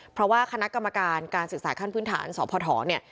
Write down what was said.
เพราะว่าคณะกรรมการการศึกษาขั้นพื้นฐานสพเนี่ย